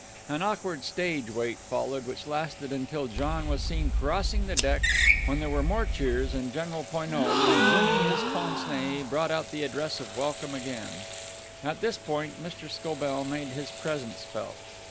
An awkward stage wait followed, which lasted until John was seen crossing the deck, when there were more cheers, and General Poineau, resuming his pince nez, brought out the address of welcome again. At this point Mr. Scobell made his presence felt.